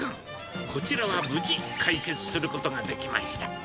こちらは無事、解決することができました。